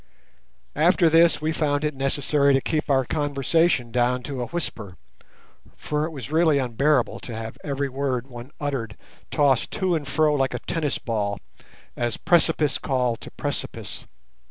After this we found it necessary to keep our conversation down to a whisper—for it was really unbearable to have every word one uttered tossed to and fro like a tennis ball, as precipice called to precipice.